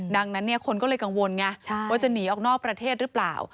ดังนั้นคนก็เลยกังวลไงว่าจะหนีออกนอกประเทศหรือเปล่า